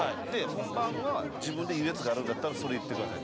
本番は「自分で言うやつがあるんだったらそれ言ってください。